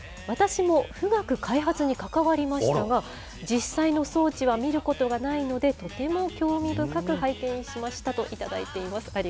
私も富岳開発に関わりましたが、実際の装置は見ることがないので、とても興味深く拝見しましたと頂いています。